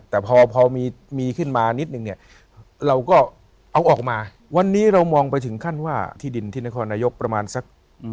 แต่พอพอมีขึ้นมานิดนึงเนี่ยเราก็เอาออกมาวันนี้เรามองไปถึงขั้นว่าที่ดินที่นครนายกประมาณสัก